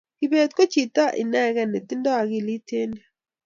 kibet ko chito inegee netindoi akilit eng nyu